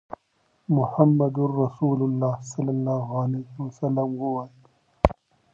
محمد رسول الله ووایئ.